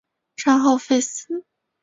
战后废寺。